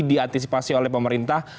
diantisipasi oleh pemerintah